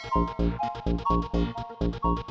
saya ingin bertemu giant